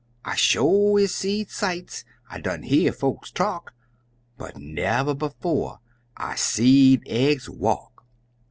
I sho is seed sights, I done hear folks talk But never befo' is I seed eggs walk!"